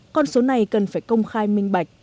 con số này cần phải công khai minh bạch